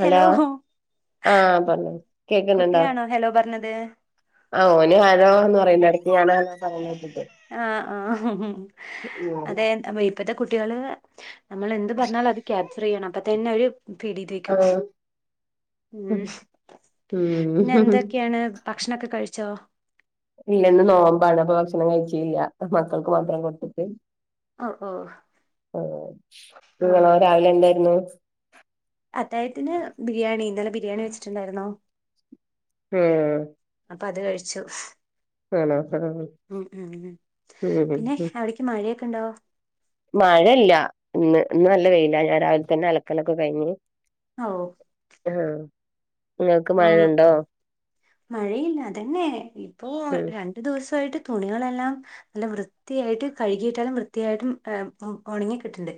Hello ആഹ പറഞ്ഞു കേക്കുന്നുണ്ടോ അത ആ ഓന് ആരോ എന്ന് പറയുന്ന ഇടയ്ണ പറ ആ ആഹ അതെ ഇപ്പത്തെ കുട്ടികള് നമ്മൾ എന്ത് പറഞ്ഞാലും അത് ക്യാപ്ചർ ചെയ്യണം അപ്പൊ തന്നെ ഒരു പീഡീതേക്കും ആഹ് ഉ ഉം പിന്നെ എന്തൊക്കെയാണ് ഭക്ഷണൊക്കെ കഴിച്ചോ ഇല്ലന്ന് നോമ്പാണ് അപ്പൊ ഭക്ഷണം കഴിച്ചില്ല മക്കൾക്ക് മാത്രം കൊട്ടിട്ട് ഓ ഓ ആ ആഹ് നിങ്ങളോ രാവിലെ എന്തായിരുന്നു അത്തായത്തിന് ബിരിയാണി ഇന്നലെ ബിരിയാണി വെച്ചിട്ടുണ്ടായിരുന്നോ ഹം അപ്പ അത് കഴിച്ചു ഉ ഉം ഉ ഉം പിന്നെ എവിടക്ക് മഴയൊക്കെ ഉണ്ടാവോ മഴയില്ല ഇന്ന് ഇന്നും നല്ല പെയയില്ല ഞാൻ രാവിലെ തന്നെ അലക്കലൊക്കെ കഴിഞ്ു ഓ ആഹ ആഹ മഴയില്ല അതന്നെ ഇപ്പൊ ഉം രണ്ടു ദിവസമായിട്ട് തുണികളെല്ലാം നല്ല വൃത്തിയായിട്ട് കഴുകിയിട്ടാലും വൃത്തിയായിട്ടും ഉണങ്ങി കിട്ടുണ്ട്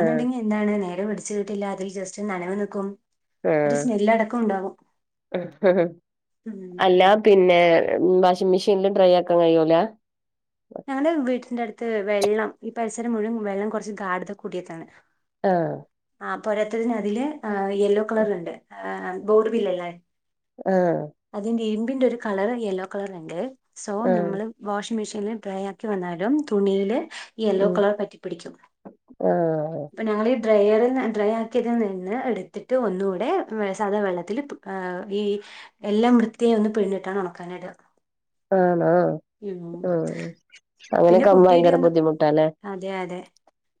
ആഹ് എന്താണ് നേരെ പിടിച്ചു കിട്ടില്ല അതിൽ ജസ്റ്റ് നനവ നക്കും ഒരു സ്മെൽ അടക്കം ഉണ്ടാകും. ഉം അല്ല പിന്നെ പിന്നെ വാഷിംഗ് മെഷീനിൽ ഡ്രൈ ആക്കാൻ കഴിയൂല? ഞങ്ങളുടെ വീട്ടിന്റെ അടുത്ത് വെള്ളം ഈ പരിസരം മുഴുവൻ വെള്ളം കുറച്ച് ഗാഡത കൂടിയതാണ്. ആ. ആ പൊരാത്തതിന് അതില് യെല്ലോ കളർ ഉണ്ട് ബോർബില്ലല്ലേ? ആഹ് അതിന്റെ ഇരുമ്പിന്റെ ഒരു കളർ യെല്ലോ കളറ്ണ്ട് സോ ആഹ് നമ്മള് വാഷ മെഷീനിൽ ഡ്രൈ ആക്കി വന്നാലും തുണിയില് യെല്ലോ ഉം കളർ പറ്റിപ്പിടിക്കും. ആഹ് അപ്പൊ ഞങ്ങള് ഡ്രൈ ഡ്രൈ ആക്കിയതിൽ നിന്ന് എടുത്തിട്ട് ഒന്നു കൂടെ സാധാ വെള്ളത്തിൽ ഇടും ഈ എല്ലാം വൃത്തിയായി ഒന്ന് പിഴിഞ്ഞിട്ടാണ് ഉണക്കാനിട. ആ ഉം പിന്നെ അങ്ങനെയൊക്കെ ആകുമ്പോ കുട്ടിയുടെ ഭയങ്കര ഒന്നും ബുദ്ധിമുട്ടല്ലേ? അതെ അതെ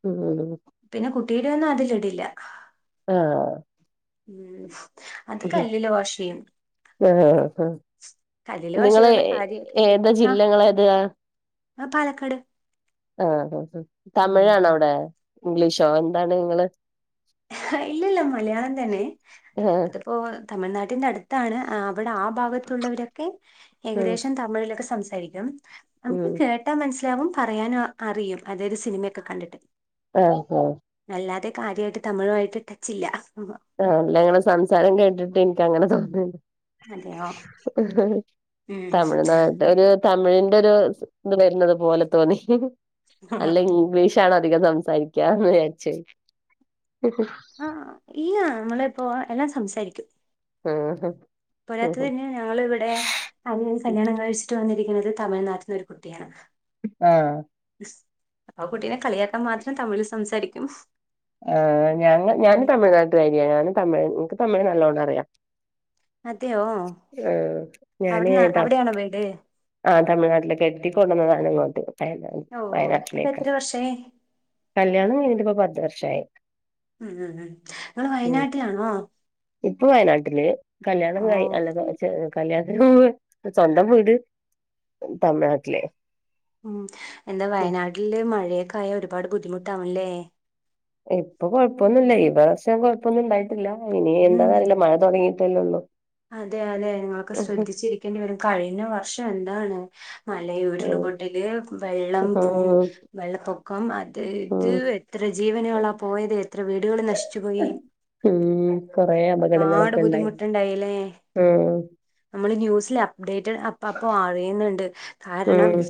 ഉം ഉം. പിന്നെ കുട്ടീടെ ഒന്നും അതില് ഇടില്ല. ആ. [inaudible] [unintelligible] ഉം കല്ലില് വാഷ് ചെയ്യും ആഹ്. കല്ലില് വാഷ് നിങ്ങള് ചെയ്യണ കാര്യമായിട്ടില്ല ഏത് ജില്ലകളേത? ആ പാലക്കാട്. ആ തമിഴാണോ ഉം അവിടെ ഇംഗ്ലീഷോ എന്താണ് നിങ്ങള് ഇല്ലല്ല മലയാളം തന്നെ ആഹ് അതിപ്പോ തമിഴ്നാട്ടിന്റെ അടുത്ത് ത്താണ് അവിടെ ആ ഭാഗത്തുള്ളവരൊക്കെ ഉം ഏകദേശം തമിഴിലൊക്കെ സംസാരിക്കും. നമുക്ക് ഉം കേട്ടാൻ മനസ്സിലാവും പറയാനും അറിയും അതായത് സിനിമയൊക്കെ കണ്ടിട്ട്. ആഹ് ആഹ്. അല്ലാതെ കാര്യമായിട്ട് തമിഴുമായിട്ട് ടച്ചില്ല. ആ അല്ല അങ്ങനെ സംസാരം കേട്ടിട്ട് എനിക്കങ്ങനെ തോന്നുന്നുണ്ട്. അതെയോ ഉം തമിഴ്നാട് ഒരു തമിഴിന്റെ ഒരു ഇത് വരുന്നത് പോലെ തോന്നി. അല്ല ഇംഗ്ലീഷാണോ അധികം സംസാരിക്കന്ന് വിചാരിച്ച്. ആ ഇല്ല നമ്മള് ഇപ്പോ എല്ലാം സംസാരിക്കും. ഉം. പോരാത്തതിന് ഞങ്ങൾ ഇവിടെ ആരെങ്കിലും കല്യാണം കഴിച്ചിട്ട് വന്നി ന്നത് തമിഴ്നാട്ടിന്ന് ഒരു കുട്ടിയാണ്. ആ. ആ കുട്ടീനെ കളിയാക്കാൻ മാത്രം തമിഴിൽ സംസാരിക്കും. ആ ഞ ഉം ഞാന് തമിഴ്നാട്ടുകാരിയ ഞാൻ തമിഴ് എനിക്ക് തമിഴ് നല്ലോണം അറിയാം. അതെയോ ആ ഞാന് അവിടുന്ന് ത അവിടെയാണോ വീട് ആ തമിഴ്നാട്ടില് കെട്ടി കൊണ്ടുന്നതാണ് ഇങ്ങോട്ട്. ഓ അപ്പൊ വയനാട്ടിലേക്ക് എത്ര വർഷായി കല്യാണം കഴിഞ്ഞിട്ടിപ്പോ പത്ത് വർഷമായി. ഉം ഉം ഉം നിങ്ങള് വയനാട്ടിലാണോ? ഇപ്പൊ വയനാട്ടില് ഓ കല്യാണം ക അല്ല കല്യാ [unintelligible] സ്വന്തം വീട് തമിഴ്നാട്ടില്. ഉം എന്താ ഉം വയനാട്ടില് മഴയൊക്കായ ഒരുപാട് ബുദ്ധിമുട്ടാവുംല്ലേ? ഇപ്പൊ കൊഴപ്പമൊന്നും ഈ വർഷം കൊഴപ്പൊന്നും ഉണ്ടായിട്ടില്ല ഇനി ഉം എന്താന്നറിയില്ല മഴ തുടങ്ങിട്ട് ല്ലള്ളു. അതെ അതെ നിങ്ങൾക്കെ ശ്രദ്ധിച്ചിരിക്കേണ്ടി വരും കഴിഞ്ഞ വർഷം എന്താണ് മല ഉരുൾപൊട്ടില് വെള്ളം ഉം വെള്ളപ്പൊക്കം അത് ഇത് എത്ര ജീവനുകളാ പോയത് എത്ര വീടുകൾ നശിച്ചു പോയി. ഉം കൊറെ ഒരുപാട് അപകടങ്ങളൊക്കെ ഉണ്ടായി. ബുദ്ധിമുട്ടുണ്ടായില്ലേ ഉം നമ്മള് ന്യൂസില അപ്ഡേറ്റ് അപ്പാപ്പൊ അറിയുന്നുണ്ട് കാരണം ഉം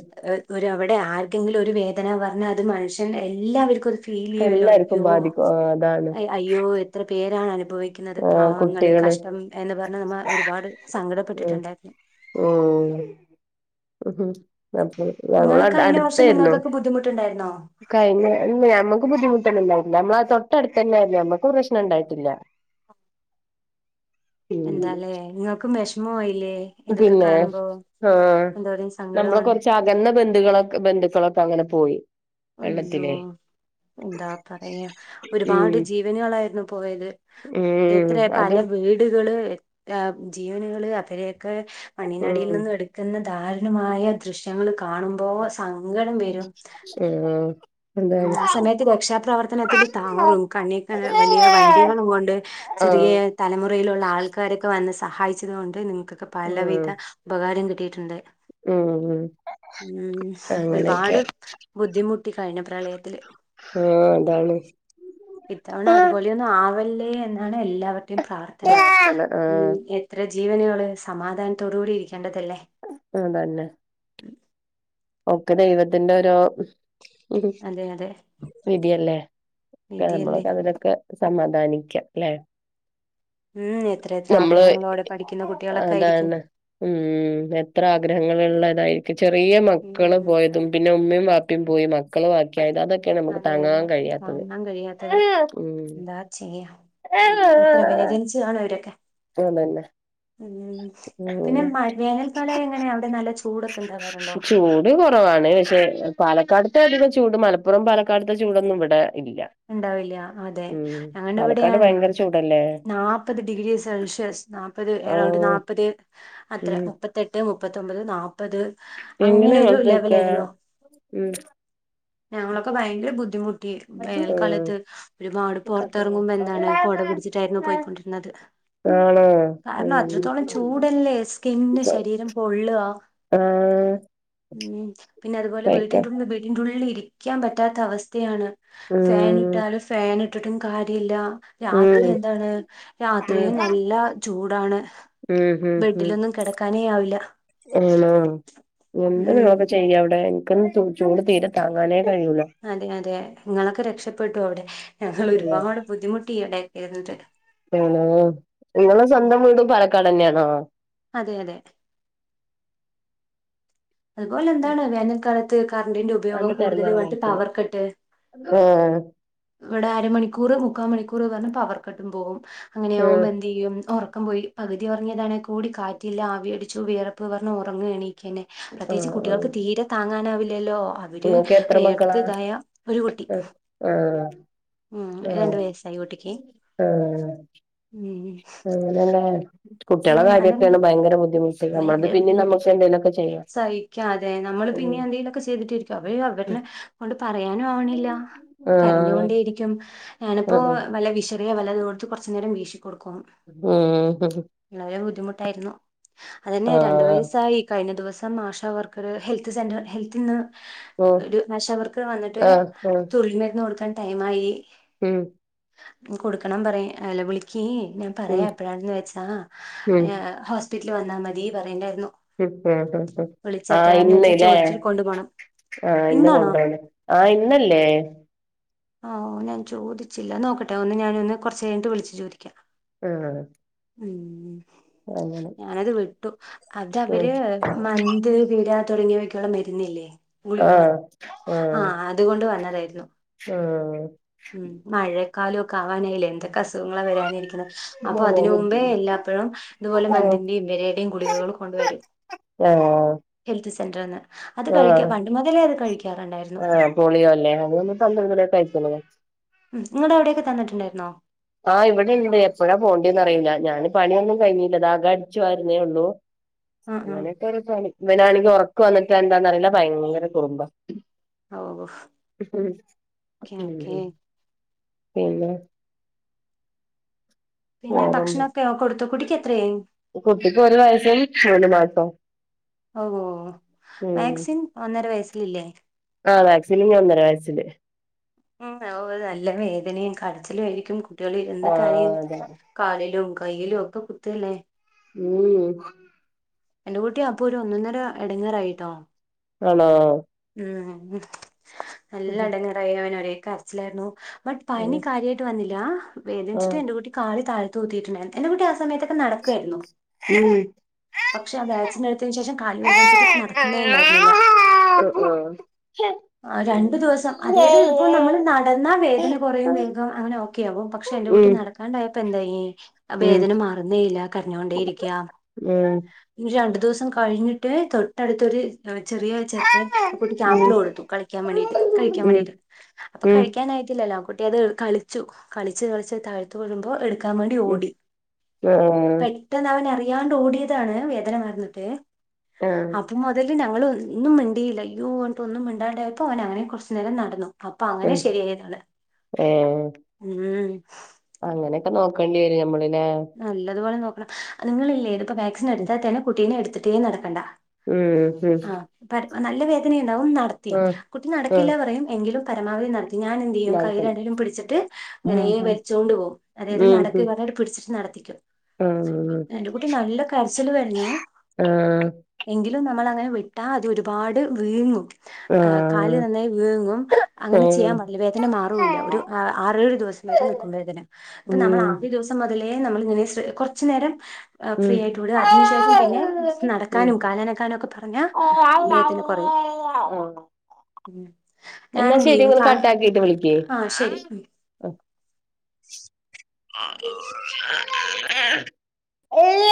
ഒരു അവിടെ ക്കെങ്കില ഒരു വേദന പറഞ്ഞാൽ അത് മനുഷ്യൻ എല്ലാവർക്കും ഫീ ചെയ എല്ലാർക്കും ല്യോ ബാധിക്കും ആ, അതാണ് അയ്യോ എത്ര പേർ ണ് അനുഭവിക്കുന്നത് ആഹ് പാവങ്ങള് കുട്ടികള് കഷ്ടം പറ നമ്മ ഒരുപാട് ഉം സങ്കടപ്പെട്ടിട്ടുണ്ടായിരുന്നു ഉ അപ്പൊ നിങ്ങള് ഞങ്ങ കഴിഞ്ഞ വർഷം അടുത്തായിരുന്നു നിങ്ങൾക്കൊക്കെ ബുദ്ധിമുട്ടുണ്ടായിരുന്നോ? കഴിഞ്ഞല്ല ഞമ്മുക്ക് ബുദ്ധിമുട്ടണ്ടണ്ടാവ നമ്മള തൊട്ട അടുത്ത് തന്നെ ആയില്ലേ നമ്മക്ക് പ്രശ്നം ഉണ്ടായിട്ടില്ല ഉം എന്താലേ നിങ്ങൾക്ക് വിഷമമായിയില്ലേ എതൊക്കെ കാണുമ്പോ ആഹ എന്തോരം നമ്മള് സങ്കടമാണ് കൊറച്ച് അകന്ന ബന്ധുക്കളൊെ ബന്ധുക്കളൊക്കെ അങ്ങനെ പോയി അയ്യോ വെള്ളത്തിലേ എന്താ പറയാ ഉം ഒരുപാട് ജീവനുകളായിരുന്നു പോയത് ഉം എത്രയ പല അതും വീടുകള് ആ ജീവനുകള് അവരെയൊക്കെ മണ്ണിനാടിയിൽ ഉം നിന്നും എടുക്കുന്ന ദരുണമായ ദൃശ്യങ്ങൾ കാണുമ്പോ സങ്കടം വ ഉം ഉം ആ സമയത്ത് രക്ഷാപ്രവർത്തനത്തില്ൽ താറും കണ്ണി വലിയ വണ്ടികളും കൊണ്ട് ചെറിയ ആഹ് തലമുറയിലുള്ള ആൾക്കാരൊക്കെ വന്ന സഹായിച്ചത്ുക കൊണ്ട് നിങ്ങൾക്ക്ക്ക് പലവിധ ഉം ഉപകാരം കിട്ടിയിട്ടുണ്ട് ഉം ഉ ഒരുപാട് അങ്ങനെയൊക്കെ ബുദ്ധിമുട്ടി കഴിഞ്ഞ ത്തി ആഹ് അതാണ് ഇത്തവണ അതുപോലെയൊന്നും ആവല്ലേ എന്നാണ് എല്ലാവരുടെയും പ്രാർത്ഥന ഇതാണ് ഉ ആഹ് എത്ര ജീവനുകള് സമാധാനത്തോട കൂടിരിക്ക ചെയണ്ടതല്ലേ ഓക്കെ ദൈവത്തിറെ ഒരു ഉ അതെ അതെ വിധയല്ലേ വിധിയല്ലേ നമ്മളക്ക അതിനൊക്കെ സമാധാനി അല്ലേ ഉം എത്ര എത്ര നമ്മള് ആഗ്രഹങ്ങളോടെ പഠിക്കുന്ന കുട്ടികളൊക്കെ ആയിരിക്കും അതാണ് ഉം എത്ര ആഗ്രഹങ്ങള്ള നതായിരിക്ക ചെറിയ മക്കള് ഉം പോയതും പിന്നെ ഉമ്മയും വാപ്പിയും പോയി മക്കള് ത അതൊക്കെയ നമുക്ക് അതെ അതെ തങ്ങാൻ കഴിയാത്തത് താങ്ങാൻ കഴിയാത്തത് എന്താ ചെയ്യാ എത്ര വേജൻസി ആണ് [unintelligible] ഇവരൊക്കെ അതന്നെ ഉം ഉം പിന്നെ മ വേനൽക്കാലം എങ്ങനെ അവിടെ നല്ല ചൂടൊക്കെ ഉണ്ടാകാറുണ്ടോ ചൂട് കുറവാണ് പക്ഷെ പാലക്കാട്ത്തെ അധികം ചൂട് മലപ്പുറം പാലക്കാട്ത്തെ ചൂടൊന്നും ഇവിടെ ഇല്ല ഉണ്ടാവില്ല അതെ ഉം അങ്ങണ്ട് പാലക്കാട് എവിടെയാണ് ഭയങ്കര ചൂടല്ലേ നാല്പ്പത് ഡിഗ്രി സെൽഷ്യസ് നാപ്പത് എറൗണ്ട് ആഹ് നാല്പ്പത് അത്ര ഉം മുപ്പത്തെട്ട് മുപ്പത്തൊൻമ്പത് നാപ്പത് അപ്പ അത് എങ്ങനെ അങ്ങനെ ഒരു ലെവല നിക്കാ ആായിരുന്നുോ ഉം ഞങ്ങളൊക്കെ ഭയങ്കര ബുദ്ധിമുട്ടി ഉം വേനൽക്കാലത്ത് ഒരു മാട് പുറത്തിറങ്ങുമ്പോ എന്താണ് കോട പിടിച്ചിട്ടായിരുന്നു പോയിക്കൊണ്ടിരുന്നത് ആണോ കാരണം ഉം അത്രത്തോളം ചൂടല്ലേ സ്കിന്ന് ശരീരം പൊള്ളവാ ആഹ് ഉ പിന്നെ അതുപോലെ കഴിക്കാം വീടിൻ്റെള്ളിൽ വീടിൻ്റെ ഉള്ളിൽ ഇരിക്കാൻ പറ്റാത്ത അവസ്ഥയാണ് ഫാൻ ഉം ഇട്ടാലും ഫൻ ഇട്ടിട്ടും കാര്യമില്ല രാത്രി ഉം എന്താണ് രാത്രിയും ഉം നല്ല ചൂടാണ് ഉം ഹ ഹ ബെഡിലൊന്നും കിടക്കാനേ ആവില്ല ണ എന്ത് ഉം നിൊക്കെ ചെയ്യാം അവിടെ എനക്ക്ന്ന് ചൂട് തീരെ താങ്ങാനെ അതെ അതെ നിങ്ങളൊക്കെ രക്ഷപ്പെട്ടു അവിടെ ഞങ്ങൾ ഒരുപാട് ബുദ്ധിമുട്ടിടെ ഇരണ്ട് അന നിങ്ങെ സ്വന്തം വീട് പാലക്കാട് തന്നെയാണോ അതെ അതെ അതുപോലെ എന്താണ് വേനൽക്കാലത്ത് കറണ്ടിന്റെ ഉപയോഗം അന്റെ കൂടുതലമായിട്ട് പവർ കട്ട് ഓ ഇവിടെ അരമണിക്കൂർ മുക്കാൽ മണിക്കൂർ പറഞ്ഞ് പവർക്കട്ടും പോകും ആഹ് അങ്ങനെയാകുമ്പോ എന്തു ചെയ്യും ഉറ ക്കം പോയി പകുതി ഉറങ്ങിയതാണെ കൂടി കാറ്റില്ല ആവി അടിച്ചു വേർപ്പ് പറഞ്ഞ് ഉറങ്ങി എണീക്കന്നെ പ്രത്യേകിച്ച് ആഹ് ആഹ് കുട്ടികൾക്ക് തീരെ താങ്ങാനാവില്ലല്ലോ അവര് നിങ്ങൾക്ക് എത്ര മക്കളാ വേർത്തതായ ഒരു കുട്ടി ആഹ് ഉം ആഹ് രണ്ടു വയസായി ഊട്ടിക്ക് ഉം ആ അതാ കുട്ടികളെ ഉം അതന്നെ കാര്യയൊക്കെയാണ് ഭയങ്കര ബുദ്ധിമു സുഖം അത് പിന്നെ നമുക്ക് എന്തെങ്കിലൊക്കെ സഹിക്കാം അതെ നമ്മള് പിന്നെ എന്തെങ്കിലുമൊക്കെ ചെയ്തിട്ടി ഇരിക്കും അവ അവരുടെ കൊണ്ട് പറയാനും ആവണില്ല ആഹ് കരഞ്ഞുകൊണ്ടേയിരിക്കും ഞാനിപ്പോ ആഹ് വല്ല വിഷറിയ വല്ലതോടുത്ത് കുറച്ച് നേരം വീക്ഷി ഉം തായിരുന്നു അതന്നെ രണ്ടു വയസ്സായി കഴിഞ്ഞ ദിവസ് സം ആഷ വർക്കർ ഹെൽത്ത് സെന്റർ ഹെൽത്തിന്ന് ഉം ഒരു നഷകർക്ക് വന്നിട്ട് ആഹ് ആഹ് തൊഴിൽ മരുന്ന് കൊടുക്കാൻ ടൈയിമായി ഉം കൊടുക്കണം പറ അല്ല വിളിക്കി ഞാൻ ഉം പറയാ എപ്പഴാണെന്ന് വെച്ചാ ഉം യേ ഹസ് പിറ്റിൽ വന്നാൽ മതി പറണ്ട [unintelligible] ആ ഇന്ന് വെച്ചാൽ ലേ ചോദിച്ചിട്ട് കൊണ്ടു പോണം ആ ഇന്ന് ഇന്നാണോ കൊണ്ടോണ്ട് ആ ഇന്നല്ലേ ഞാൻ ചോദിച്ചില്ല നോക്കട്ടെ ഒന്ന് ഞാന് ഒന്ന് കുറച്ച് കഴിഞ്ഞിട്ട് വിളിച്ചു ചോദിക്കാം ആ ഉം അങ്ങനെ ഞാനത് വിട്ടു അത് ഉം അവര് [unintelligible] തുടങ്ങിയവക്കുള്ള മരുന്നില്ലേ ഗുളിക ആഹ് ആ അതുകൊണ്ട് വന്ന് ഓ ക്കാലൊക്കെ ആവാനായില്ലേ എന്തൊക്കെ അസുഖങ്ങള വരാനിരിക്കണം അപ്പൊ അതിന് മുമ്പേ എല്ലാപ്പോഴും ഇതുപോലെ ആഹ് അതിൻ്റെയും വിരയുടെയും ഗുളികകൾ കൊണ്ടുവരും ആഹ് ഹെൽത്ത് സെന്റർന്ന് അത് കഴിക്കാ പണ്ട് മുതലേ അത് കഴിക്കാറുണ്ടായിരുന്നു ആഹ് പോളിയോ അല്ലേ അത് നമ്മൾ പന്ത്രണ്ട് മണിയൊക്കെ കഴിക്കണതാ ഉം നിങ്ങടെ അവിടെയൊക്കെ തന്നിട്ടുണ്ടായിരുന്നോ ആ ഇവിടെ ഇണ്ട് എപ്പോഴാ പോണ്ടിന്ന് അറിയില്ല ഞാന് പണിയൊന്നും കഴിഞ്ഞില്ല അകം അടിച്ചു വാരുന്നേ ഉള്ളൂ ആ ആ അങ്ങനെയൊക്കെ ഒരു പണി ഇവനാണെങ്കിൽ ഉറക്കം വന്നിട്ട് എന്താന്ന്റിയില്ല ഭയങ്കര കുറുമ്പ ഓ ഉം ഓക്കെ ഓക്കെ [unintelligible] പിന്നെ പിന്നെ ആണുണ്ട് ഭക്ഷണൊക്കെ കൊടുത്തോ കുട്ടിക്ക് എത്രയായി കുട്ടിക്ക് ഒരു വയസ് മൂന്ന് മാസോ ഓ ഓ വാക്സിൻ ഒന്നര വയസ്സിലല്ലേ ആ വാക്സിന് ഒന്നര വയസ്സില് ഉം ഓ നല്ല വേദനയും കടച്ചിലും ആയിരിക്കും കു കുട്ടികള് ഇരുന്ന് കരയും ആഹ് അതെ കാലിലും കയ്യിലും ഒക്കെ കുത്തല്ലേ ഉം എന്റെ കുട്ടി അപ്പൊ ഒരു ഒന്നൊന്നര ഇടങ്ങേറായിട്ടോ ആണോ ഉം നല്ല ആഹ് ഇടങ്ങറായി അവന് ഒരേ കരച്ചിലായിരുന്നു ബട്ട് പനി ഉം കാര്യമായിട്ട് വന്നില്ല വേദിച്ചിട്ട് ആഹ് എന്റെ കൂട്ടി കാളി താഴ് തൂ തീട്ടുണ്ടായിരുന്നു എന്റെ കുട്ടി ആ സമയത്തൊക്കെ നടക്കുമായിരുന്നു ഉം പക്ഷെ വാക്സിൻ എടുത്തതിന് ശേഷം കാല് വേദനിച്ചിട്ട് നടക്കുന്നേ ഉണ്ടായിരുന്നില്ല ഓ ആ രണ്ടു ദിവസം അതായത് ഇപ്പോ നമ്മള് നടന്നാ വേദന കുറയും വേഗം അങ്ങനെ ഒക്കെ ആകും പ ക്ഷെ എന്റെ കുട്ടി ഉം നടക്കാണ്ടയ ഇപ്പാ എന്താ ഉം വേദന മാറുന്നേ ഇല്ല കഞ്ഞൊണ്ടേ ഇരിക്ക ഏ ര ദിവസം കഴിഞ്ഞിട്ട് തൊട്ടടുത്തൊരു ചെറിയ ചെക്കൻ ആ കുട്ടിക്ക് ആപ്പില കൊടുത്തു കളിക്കാൻ വേണ്ടീട്ട് കഴിക്കാൻ വേണ്ടീട്ട് അപ്പൊ കഴിക്കൻായിട്ടല്ല കുട്ടി അത് കളിച്ചു കളിച്ച് കള തഴത്ത് വഴുമ്പോ എടുക്ക വേണ്ടി ഓടി പെട്ടെന്ന് അവനറി ഓടിയതാണ് വേദന വന്നിട്ട് അപ്പ മുതൽ ഞങ്ങ ഇന്ന അയില്ലയോഓട്ട ഒന്നും ഇണ്ടാണ്ടായപ്പോ അവന അങ്ങനെ കുറച്ച് നേരം നടന്നു അപ്പൊ അങ്ങനെ ശരിയായതാണ് ഉ അങ്ങനെയൊക്കെ നോക്കേണ്ടി വരും നമ്മള് നല്ലതുപോലെ നോക്കണം നിങ്ങളില്ലേ ഇതി ഇപ്പോ വാക്സിൻ എടുത്താത്ത തേന്നെ കുട്ടീനെ എടുത്തിട്ടേ നടക്കണ്ട ഉം ഉം ആ നല്ല വേദനയുണ്ടാവും നടത്തിയ ആ കുട്ടി ആ നടക്കില്ല പറയും എങ്കിലും പരമാവധി നട ഞാൻ എന്ത് ചെയ്യും നാല്പത് കയ്യിയിരണ്ടിലും പിടിച്ചിട്ട് അങ്ങനെ വരിച്ചുകോണ്ട് പോകും അതായത് നടക്കന്ന് പറഞ്ഞിട്ട് പിടിച്ചിട്ട് നടത്തിക്കും എന്റെ കുട്ടി നല്ല കരച്ചൽ കരഞ്ഞു ആഹ നമ്മളങ്ങനെ വിട്ടാൽ അത് ഒരുപാട് വീങ്ങും ആ കാല് നന്നായി വീങ്ങും അങ്ങനെ ചെയ്യാൻ പാടില്ല വേദന മാറില്ല ഒരു ആറേഴു ദിവസം നൽക്കുമ്പോേദനം ഇപ്പൊ നമ്മൾ ഉം ആദ്യ ദിവസം മുതലേ നമ്മൾ ഇങ്ങനെ കുറു നേരം ഫ്രീ ഉം ആയിട്ട് വിടുക ആ അതിനു ശേഷം പിന്നെ നടക്കാനും കാലനക്കാനും ഒക്കെ പറഞ്ഞ വേദന കുറയും ആഹ ആഹ ഉം. ഞാൻ എന്നാ എന്ത് ശെരി ചെയ്യും കാ- കട്ട ആക്കിട്ട് വിളിക്ക് ആ ശരി ഉം. ആ ഓ